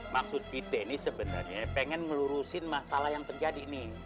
maksud kita ini sebenarnya pengen melurusin masalah yang terjadi nih